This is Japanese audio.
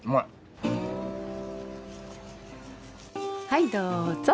はいどうぞ。